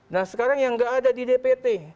nah sekarang yang nggak ada di dpt